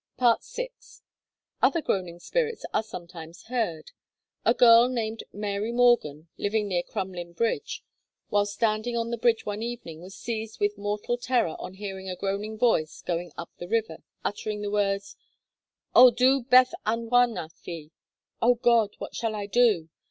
VI. Other groaning spirits are sometimes heard. A girl named Mary Morgan, living near Crumlyn Bridge, while standing on the bridge one evening was seized with mortal terror on hearing a groaning voice going up the river, uttering the words, 'O Dduw, beth a wnaf fi?' (O God, what shall I do?)